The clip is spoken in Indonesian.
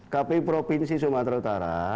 kpu provinsi sumatera utara